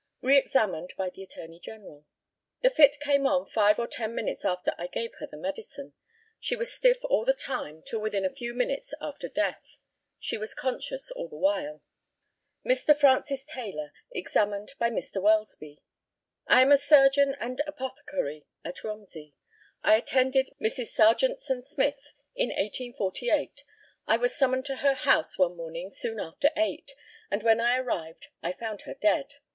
Re examined by the ATTORNEY GENERAL: The fit came on five or ten minutes after I gave her the medicine. She was stiff all the time till within a few minutes after death. She was conscious all the while. Mr. FRANCIS TAYLOR, examined by Mr. WELSBY: I am a surgeon and apothecary at Romsey. I attended Mrs. Sarjantson Smyth in 1848. I was summoned to her house one morning soon after eight, and when I arrived I found her dead.